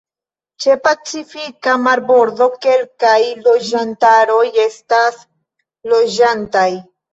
Ĉe Pacifika marbordo kelkaj loĝantaroj estas loĝantaj.